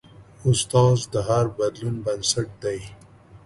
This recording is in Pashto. استاد د هر بدلون بنسټ دی.